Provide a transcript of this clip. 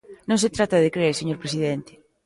Non se trata de crer, señor presidente.